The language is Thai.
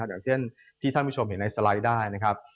อย่างที่ท่านผู้ชมเห็นในสไลด์ได้